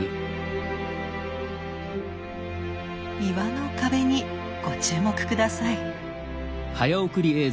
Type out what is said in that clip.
岩の壁にご注目下さい。